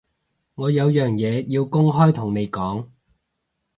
我有樣嘢要公開同你講